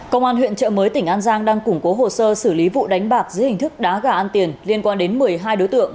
công an huyện trợ mới tỉnh an giang đang củng cố hồ sơ xử lý vụ đánh bạc dưới hình thức đá gà ăn tiền liên quan đến một mươi hai đối tượng